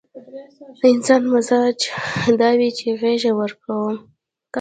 د انسان مزاج دا وي چې غېږه ورکوم.